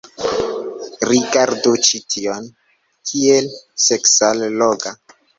Rigardu ĉi tion. Kiel seksalloga.